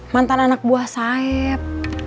mantan anak buah sayap